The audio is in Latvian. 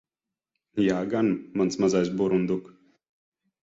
Jā gan, mans mazais burunduk.